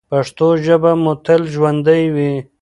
پښتو ژبه مو تل ژوندۍ وي.